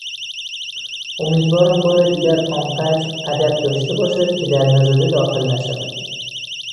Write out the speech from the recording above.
امیدوارم بار دیگر آنقدر ادب داشته باشد که در نزده داخل نشود.